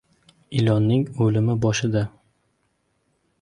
• Ilonning o‘limi boshida.